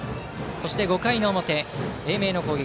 そして５回の表、英明の攻撃。